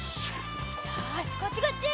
よしこっちこっち！